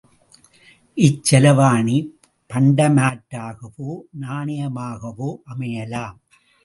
இச்செலாவணி பண்ட மாற்றாகவோ நாணயமாகவோ அமையலாம்.